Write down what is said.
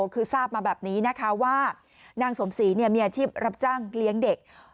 คือทราบมาแบบนี้นะคะว่านางสมศรีมีอาชีพรับจ้างเลี้ยงเด็ก